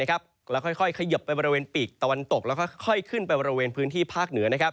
แล้วค่อยเขยิบไปบริเวณปีกตะวันตกแล้วค่อยขึ้นไปบริเวณพื้นที่ภาคเหนือ